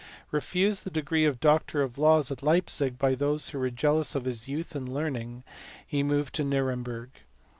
Refused the degree of doctor of laws at Leipzig by those who were jealous of his youth and learning, he moved to Nuremberg.